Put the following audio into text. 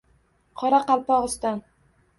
Qoraqalpog‘iston